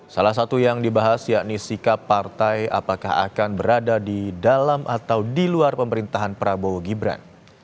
salah satu yang dibahas yakni sikap partai apakah akan berada di dalam atau di luar pemerintahan prabowo gibran